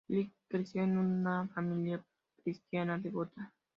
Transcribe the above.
Lin creció en una familia cristiana devota.